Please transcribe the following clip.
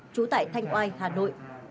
chú tại thanh oai hà nội